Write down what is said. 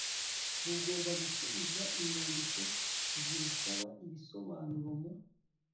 rugomba gusubiza inyandiko zirusaba ibisobanuro mu